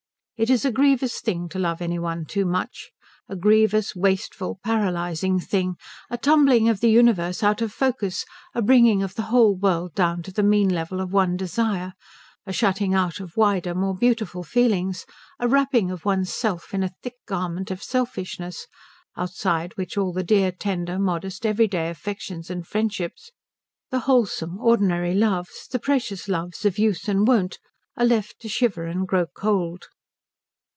It is a grievous thing to love any one too much; a grievous, wasteful, paralyzing thing; a tumbling of the universe out of focus, a bringing of the whole world down to the mean level of one desire, a shutting out of wider, more beautiful feelings, a wrapping of one's self in a thick garment of selfishness, outside which all the dear, tender, modest, everyday affections and friendships, the wholesome, ordinary loves, the precious loves of use and wont, are left to shiver and grow cold.